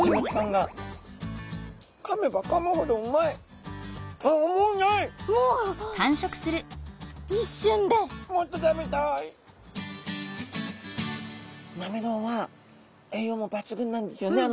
なめろうは栄養も抜群なんですよね。